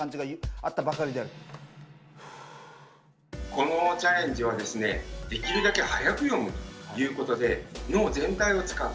このチャレンジはですねできるだけ速く読むということで脳全体を使う。